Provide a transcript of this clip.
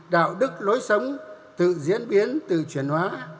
đạo đức lối sống tự diễn biến tự chuyển hóa